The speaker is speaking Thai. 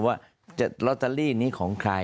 คือใช้ภาษาสรุปแบบนี้ได้